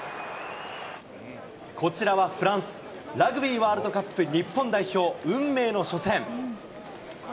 こちらはフランス、ラグビーワールドカップ日本代表、運命の初戦。